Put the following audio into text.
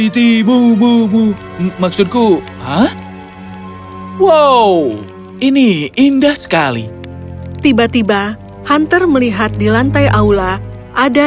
tibu bu maksudku wow ini indah sekali tiba tiba hunter melihat di lantai aula ada